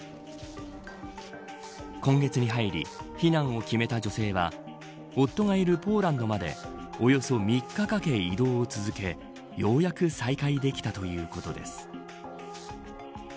今月に入り、避難を決めた女性は夫がいるポーランドまでおよそ３日かけ移動を続けようやく再会できたということです。